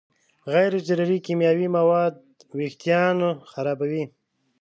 غیر ضروري کیمیاوي مواد وېښتيان خرابوي.